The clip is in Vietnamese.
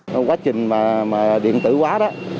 trong quá trình mà điện tử quá đó